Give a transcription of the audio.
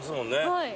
はい。